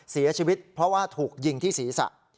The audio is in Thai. เสียชีวิตเพราะว่าถูกยิงที่ศีรษะ